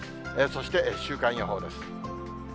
そして週間予報です。